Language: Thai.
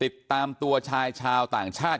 ติดตามตัวชายชาวต่างชาติ